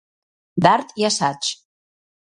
D'art i assaig.